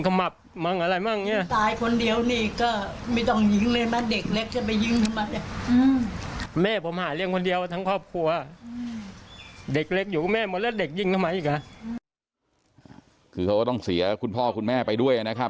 คือเขาก็ต้องเสียคุณพ่อคุณแม่ไปด้วยนะครับ